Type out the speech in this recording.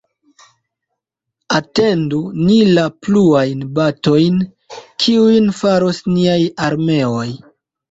Atendu ni la pluajn batojn, kiujn faros niaj armeoj.